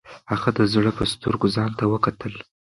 هغه د زړه په سترګو ځان ته وکتل.